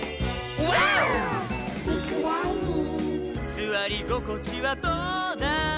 「すわりごこちはどうだい？」